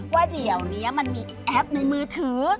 ว่าเดี๋ยวนี้มันมีแอปในมือถือ